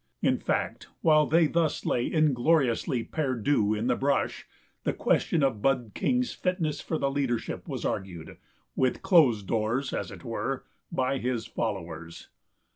In fact, while they thus lay ingloriously perdu in the brush, the question of Bud King's fitness for the leadership was argued, with closed doors, as it were, by his followers.